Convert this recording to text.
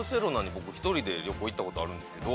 僕１人で旅行行ったことあるんですけど。